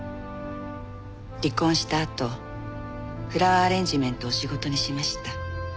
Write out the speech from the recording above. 離婚したあとフラワーアレンジメントを仕事にしました。